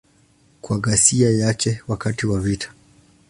Kwa ghasia yake wakati wa vita.